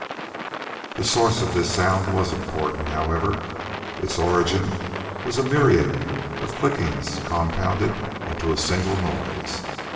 The source of this sound was important, however. Its origin was a myriad of clickings compounded into a single noise.